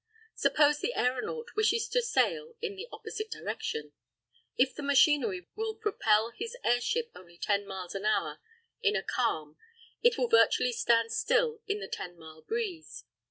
Suppose the aeronaut wishes to sail in the opposite direction? If the machinery will propel his airship only 10 miles an hour in a calm, it will virtually stand still in the 10 mile breeze.